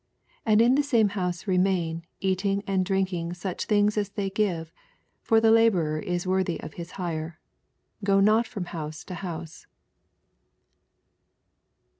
7 And in the same house remain^ eating and drinking suoh things as they give: for the uiborer is worthy of nis hire. Go not from house to house.